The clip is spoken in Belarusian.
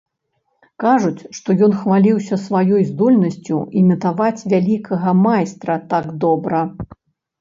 Кажуць, што ён хваліўся сваёй здольнасцю імітаваць вялікага майстра так добра.